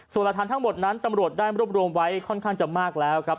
ส่วนหลักฐานทั้งหมดนั้นตำรวจได้รวบรวมไว้ค่อนข้างจะมากแล้วครับ